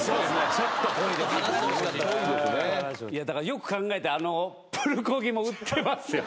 よく考えたらあのプルコギも売ってますよ。